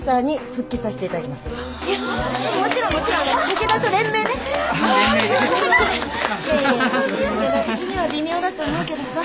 武田的には微妙だと思うけどさ。